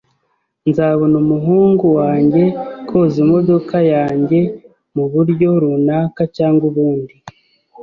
Nzabona umuhungu wanjye koza imodoka yanjye muburyo runaka cyangwa ubundi.